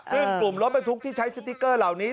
ซึ่งกลุ่มรถบรรทุกที่ใช้สติ๊กเกอร์เหล่านี้